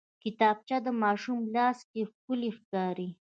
کتابچه د ماشوم لاس کې ښکلي ښکاري